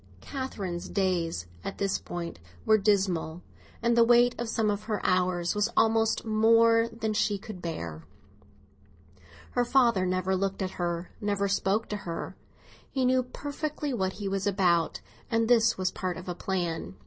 Catherine's days at this time were dismal, and the weight of some of her hours was almost more than she could bear. Her father never looked at her, never spoke to her. He knew perfectly what he was about, and this was part of a plan.